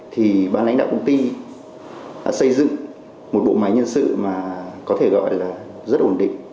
thì ban lãnh đạo công ty đã xây dựng một bộ máy nhân sự mà có thể gọi là rất ổn định